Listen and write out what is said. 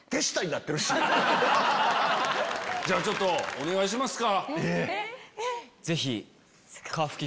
ちょっとお願いしますか。